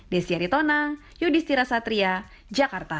desy aritonang yudhistira satria jakarta